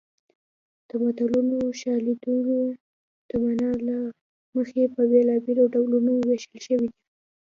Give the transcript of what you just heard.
د متلونو شالیدونه د مانا له مخې په بېلابېلو ډولونو ویشل شوي دي